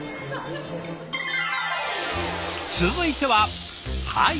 続いてははい！